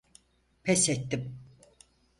Pes ettim.